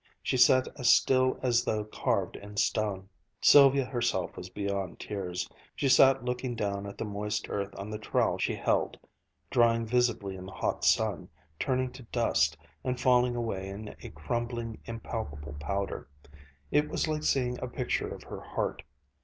She sat as still as though carved in stone. Sylvia herself was beyond tears. She sat looking down at the moist earth on the trowel she held, drying visibly in the hot sun, turning to dust, and falling away in a crumbling, impalpable powder. It was like seeing a picture of her heart.